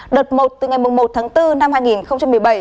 đợt một từ ngày một tháng bốn năm hai nghìn một mươi bảy